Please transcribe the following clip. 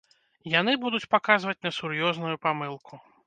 Яны будуць паказваць на сур'ёзную памылку.